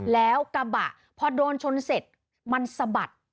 แล้วกระบะพอโดนชนเสร็จมันสะบัด